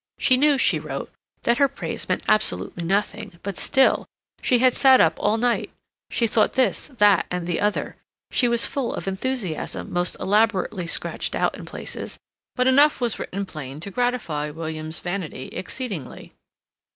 She knew, she wrote, that her praise meant absolutely nothing; but still, she had sat up all night; she thought this, that, and the other; she was full of enthusiasm most elaborately scratched out in places, but enough was written plain to gratify William's vanity exceedingly.